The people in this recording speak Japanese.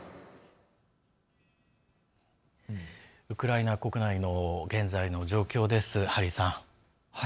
ウクライナ国内の現在の状況です、ハリーさん。